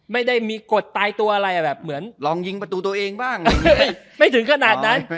ไม่ถึงขนาดนั้น